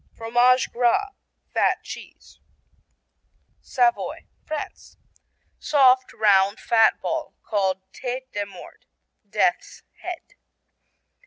Fromage Gras (fat cheese) Savoy, France Soft, round, fat ball called tête de mort, "death's head."